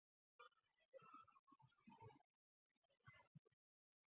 The region is full of medieval castles, especially along the Nahe River.